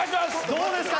どうですか？